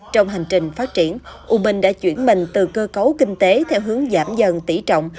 trong hành trình phát triển u minh đã chuyển mình từ cơ cấu kinh tế theo hướng giảm dần tỉ trọng